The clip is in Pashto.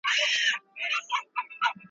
زما سره به څرنګه سیالي کوې رقیبه ,